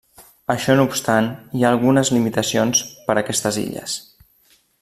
Això no obstant, hi ha algunes limitacions per aquestes illes.